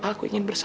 aku ingin pergi